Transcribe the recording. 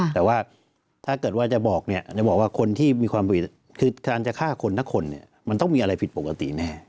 แต่ว่าถ้าเกิดว่าจะบอกเนี่ยจะบอกว่าคนที่มีความผิดคือการจะฆ่าคนทั้งคนเนี่ยมันต้องมีอะไรผิดปกติแน่